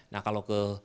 nah kalau ke